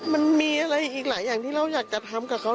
มันมีอะไรอีกหลายอย่างที่เราอยากจะทำกับเขา